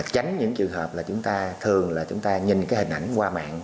tránh những trường hợp là chúng ta thường là chúng ta nhìn cái hình ảnh qua mạng